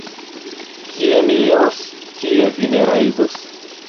Kie mi iros, tie vi ne rajdos.